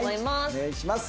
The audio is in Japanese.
お願いします。